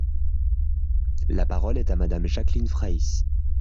La parole est à Madame Jacqueline Fraysse.